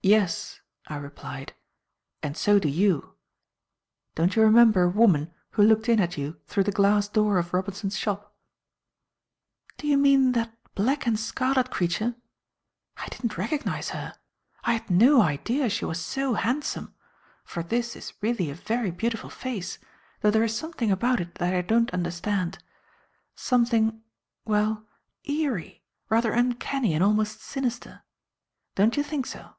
"Yes," I replied, "and so do you. Don't you remember a woman who looked in at you through the glass door of Robinson's shop." "Do you mean that black and scarlet creature? I didn't recognize her. I had no idea she was so handsome; for this is really a very beautiful face, though there is something about it that I don't understand. Something well eerie; rather uncanny and almost sinister. Don't you think so?"